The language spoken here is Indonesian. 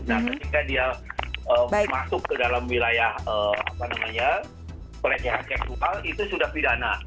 nah ketika dia masuk ke dalam wilayah apa namanya kelecehan seksual itu sudah pidana